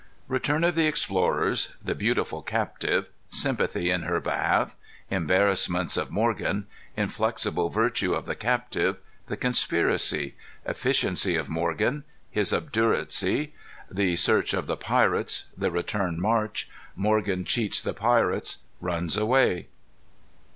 _ Return of the Explorers. The Beautiful Captive. Sympathy in her behalf. Embarrassments of Morgan. Inflexible Virtue of the Captive. The Conspiracy. Efficiency of Morgan. His Obduracy. The Search of the Pirates. The Return March. Morgan Cheats the Pirates. Runs Away.